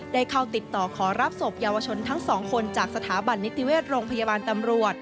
ได้เข้าติดต่อขอรับศพเยาวชนทั้งสองคนจากสถาบันนิติเวชโรงพยาบาลตำรวจ